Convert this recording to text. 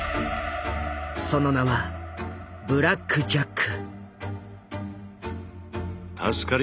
その名はブラック・ジャック。